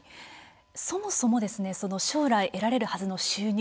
そもそもですねその将来得られるはずの収入